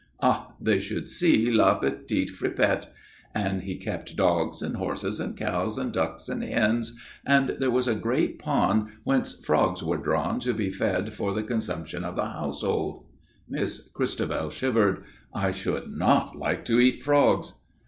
Ah! they should see La Petite Fripette! And he kept dogs and horses and cows and ducks and hens and there was a great pond whence frogs were drawn to be fed for the consumption of the household. Miss Christabel shivered. "I should not like to eat frogs."